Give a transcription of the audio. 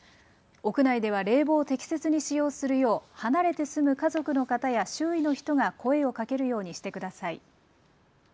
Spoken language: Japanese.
屋内では冷房を適切に使用するよう離れて住む家族の方や周囲の人が声をかけるようにしてください。